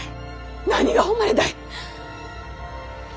何が誉れだい。